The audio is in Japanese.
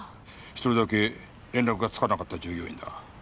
１人だけ連絡がつかなかった従業員だ。